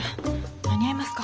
間に合いますか？